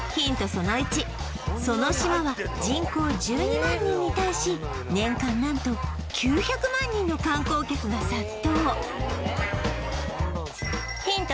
その１その島は人口１２万人に対し年間何と９００万人の観光客が殺到ヒント